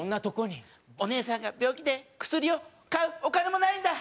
お姉さんが病気で薬を買うお金もないんだ。